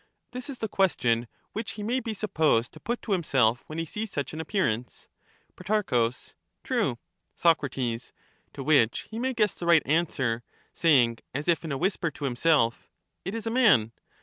' This is the question which he may be supposed to put to himself when he sees such an appearance. Pro. True. Soc. To which he may guess the right answer, saying as if in a whisper to himself—' It is a man.'